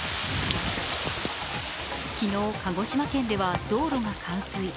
昨日、鹿児島県では道路が冠水。